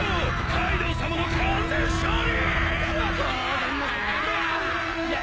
カイドウさまの完全勝利！